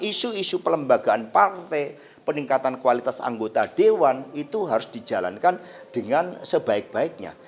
isu isu pelembagaan partai peningkatan kualitas anggota dewan itu harus dijalankan dengan sebaik baiknya